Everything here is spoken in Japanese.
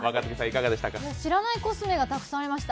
知らないコスメがたくさんありました。